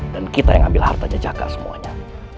dan kita yang ambil hartanya jaka semuanya